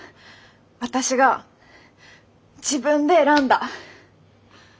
私が自分で選んだ。